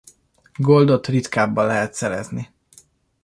Goldot ritkábban lehet szerezni.